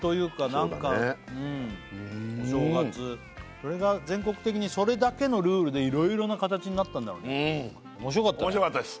それが全国的にそれだけのルールでいろいろな形になったんだろうね面白かったです